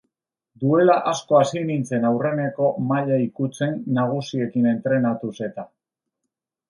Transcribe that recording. Duela asko hasi nintzen aurreneko maila ikutzen nagusiekin entrenatuz eta.